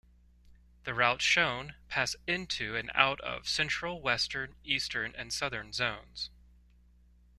The routes shown pass into and out of central, western, eastern, and southern zones.